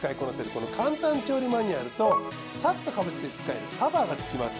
この簡単調理マニュアルとサッとかぶせて使えるカバーが付きます。